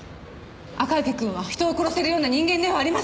赤池くんは人を殺せるような人間ではありません！